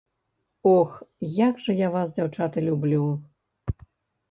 Ох, як жа я вас, дзяўчаты, люблю!